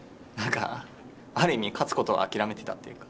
ある意味、勝つことを諦めていたというか。